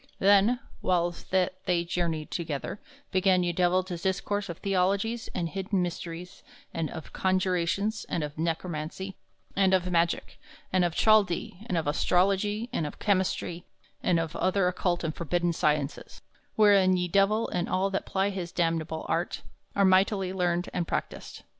Then, whiles that they journeyed together, began ye Divell to discourse of theologies and hidden mysteries, and of conjurations, and of negromancy and of magick, and of Chaldee, and of astrology, and of chymistry, and of other occult and forbidden sciences, wherein ye Divell and all that ply his damnable arts are mightily learned and practised.